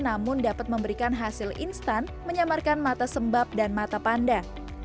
namun dapat memberikan hasil instan menyamarkan mata sembab dan mata panda